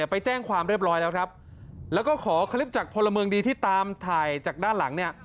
ไปแจ้งความเรียบร้อยแล้วครับแล้วก็ขอคลิปจากพลเมืองดีที่ตามถ่ายจากด้านหลังเนี่ย